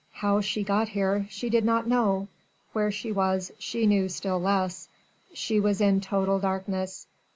How she got here she did not know where she was she knew still less. She was in total darkness.